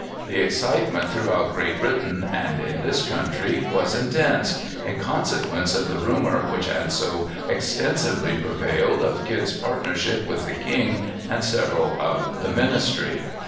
The excitement throughout Great Britain and in this country was intense, in consequence of the rumor which had so extensively prevailed of Kidd's partnership with the king and several of the ministry.